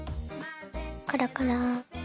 コロコロ。